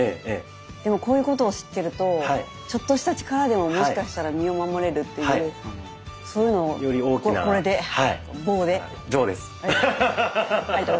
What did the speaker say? でもこういうことを知ってるとちょっとした力でももしかしたら身を守れるっていうそういうのをこれで棒で。